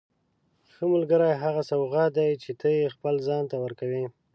ښه ملګری هغه سوغات دی چې ته یې خپل ځان ته ورکوې.